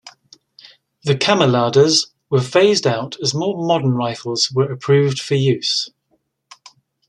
The "kammerladers" were phased out as more modern rifles were approved for use.